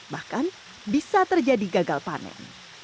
bahkan bisa terjadi gagal panen